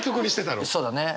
そうだね。